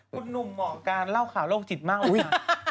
คุณหนุ่มออกการเล่าข่าวโรคจิตมากโอ้เห้ย